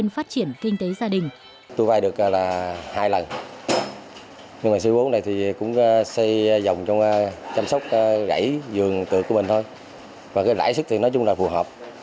phát triển kinh tế gia đình